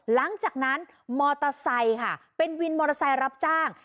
หลังจากนั้นมอเตอร์ไซค์ค่ะเป็นวินมอเตอร์ไซค์รับจ้าง